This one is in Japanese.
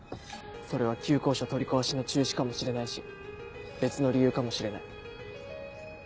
それは旧校舎取り壊しの中止かもしれないし別の理由かもしれない。